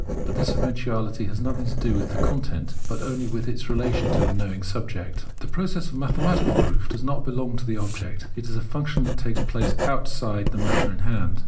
But this eventuality has nothing to do with its content, but only with its relation to the knowing subject. The process of mathematical proof does not belong to the object ; it is a function that takes place outside the matter in hand.